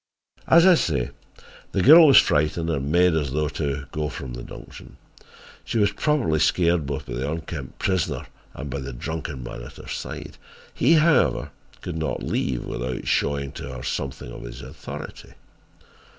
"As I say, the girl was frightened and made as though to go from the dungeon. She was probably scared both by the unkempt prisoner and by the drunken man at her side. He, however, could not leave without showing to her something of his authority.